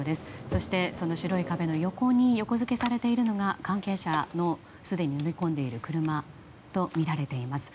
そして、その白い壁の横に横付けされているのが関係者のすでに乗り込んでいる車とみられています。